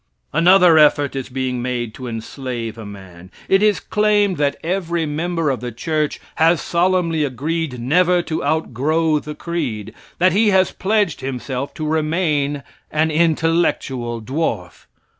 Another effort is being made to enslave a man. It is claimed that every member of the church has solemnly agreed never to outgrow the creed; that he has pledged himself to remain an intellectual dwarf.